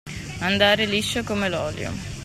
Andare liscio come l'olio.